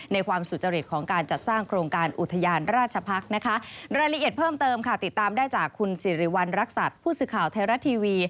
ในวันรักษัตริย์ผู้สื่อข่าวไทยรัฐทีวี